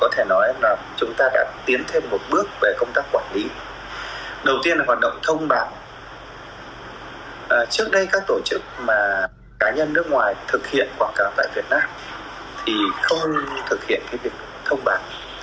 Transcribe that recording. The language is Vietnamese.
trước đây các tổ chức cá nhân nước ngoài thực hiện quảng cáo tại việt nam thì không thực hiện việc thông báo